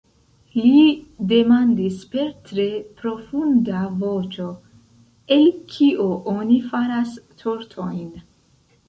Li demandis per tre profunda voĉo:"El kio oni faras tortojn?"